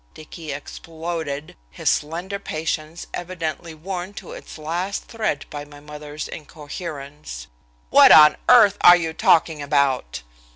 Dicky exploded, his slender patience evidently worn to its last thread by his mother's incoherence, "what on earth are you talking about?"